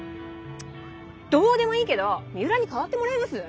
３０？どうでもいいけど三浦に代わってもらえます？